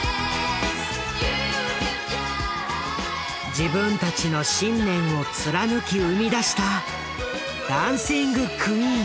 自分たちの信念を貫き生み出した「ダンシング・クイーン」。